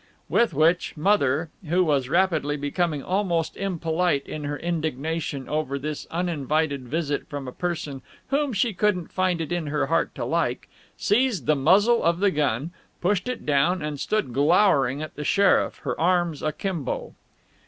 With which Mother who was rapidly becoming almost impolite in her indignation over this uninvited visit from a person whom she couldn't find it in her heart to like seized the muzzle of the gun, pushed it down, and stood glowering at the sheriff, her arms akimbo.